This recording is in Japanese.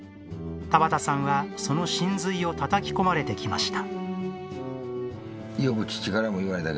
田畑さんは、その真髄をたたき込まれてきました。